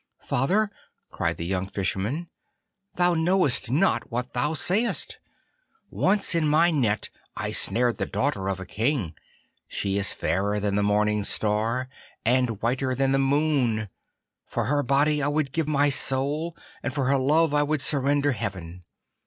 'Father,' cried the young Fisherman, 'thou knowest not what thou sayest. Once in my net I snared the daughter of a King. She is fairer than the morning star, and whiter than the moon. For her body I would give my soul, and for her love I would surrender heaven.